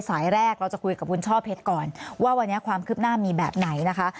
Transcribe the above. สายแรกเราจะคุยกับคุณช่อเพชรก่อนว่าวันนี้ความคืบหน้ามีแบบไหนนะคะ